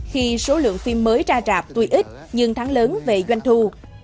khi số lượng phim mới ra rạp tuy ít nhưng thắng lớn về doanh thu